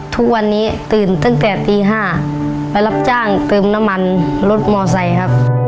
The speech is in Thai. ทุกวันนี้ตื่นตั้งแต่ตี๕ไปรับจ้างเติมน้ำมันรถมอไซค์ครับ